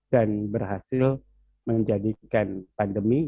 dan berhasil menjadikan pandemi